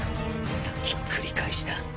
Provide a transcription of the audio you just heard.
さっきの繰り返しだ。